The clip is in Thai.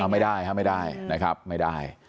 ฮะไม่ได้นะครับไม่ได้